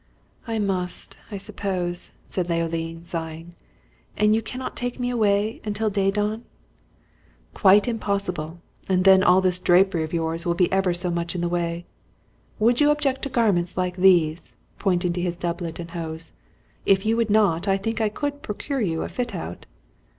"I must, I suppose!" said Leoline, sighing, "and you cannot take me away until day dawn." "Quite impossible; and then all this drapery of yours will be ever so much in the way. Would you object to garments like these?" pointing to his doublet and hose. "If you would not, I think I could procure you a fit out."